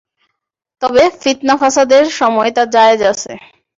তবে, ফিৎনা-ফাসাদের সময় তা জায়েয আছে।